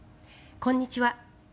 こんにちは。